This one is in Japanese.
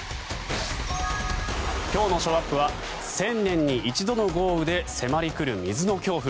今日のショーアップは１０００年に一度の豪雨で迫り来る水の恐怖。